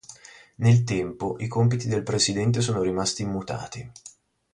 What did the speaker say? Nel tempo, i compiti del presidente sono rimasti immutati.